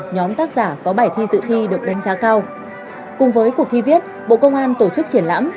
nhóm tác giả có bài thi dự thi được đánh giá cao cùng với cuộc thi viết bộ công an tổ chức triển lãm